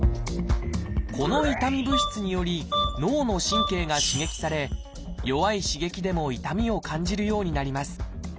この痛み物質により脳の神経が刺激され弱い刺激でも痛みを感じるようになります。